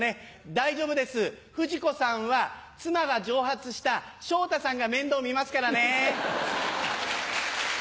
大丈夫です冨士子さんは妻が蒸発した昇太さんが面倒見ますからね。